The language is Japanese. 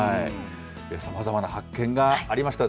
さまざまな発見がありました